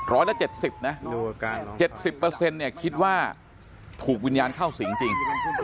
ร้อยละ๗๐นะ๗๐เนี่ยคิดว่าถูกวิญญาณเข้าสิงจริง